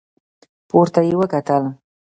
پورته يې وکتل.